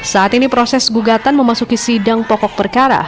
saat ini proses gugatan memasuki sidang pokok perkara